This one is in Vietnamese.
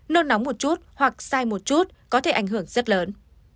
nôn nóng một chút hoặc sai một chút có thể ảnh hưởng rất lớn